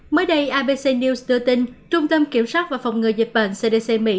mới đây abc news đưa tin trung tâm kiểm soát và phòng ngừa dịch bệnh cdc mỹ